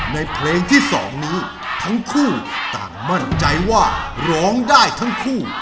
ในเพลงที่๒นี้ทั้งคู่ต่างมั่นใจว่าร้องได้ทั้งคู่